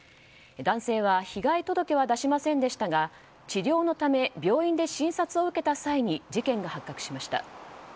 男性は被害届は出しませんでしたが治療のため病院で診察を受けた際に事件が発覚しました。